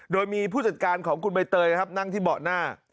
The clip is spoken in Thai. โดยมีผู้จัดการของคุณใบเตยนะครับนั่งที่เบาะหน้า